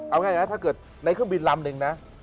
เอาง่ายนะถ้าเกิดในเครื่องบินลำนึงนะ